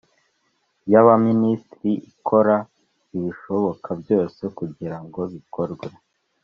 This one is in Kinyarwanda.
y Abaminisitiri ikora ibishoboka byose kugira ngo bikorwe